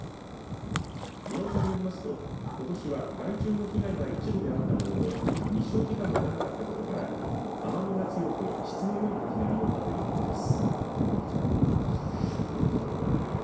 宮尾さんによりますと、ことしは害虫の被害が一部であったものの日照時間が長かったことから甘みが強く質のよい柿が実ったということです。